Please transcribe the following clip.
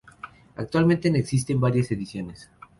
Actualmente, existen diversas ediciones.